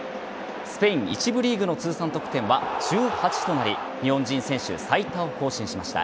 スペイン１部リーグの通算得点は１８となり日本人選手最多を更新しました。